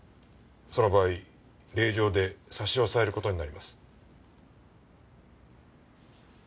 その場合令状で差し押さえる事になります。